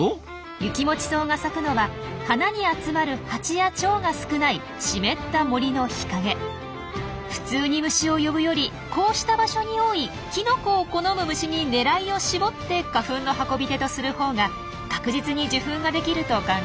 ユキモチソウが咲くのは花に集まるハチやチョウが少ない普通に虫を呼ぶよりこうした場所に多いきのこを好む虫に狙いを絞って花粉の運び手とするほうが確実に受粉ができると考えられるんです。